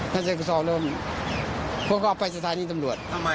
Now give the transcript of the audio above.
ถ้าใส่กระสอบเริ่มพวกเราไปสถานีตำรวจ